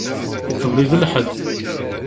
Iḍelli d lḥedd.